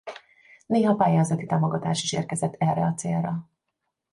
Néha pályázati támogatás is érkezett erre a célra.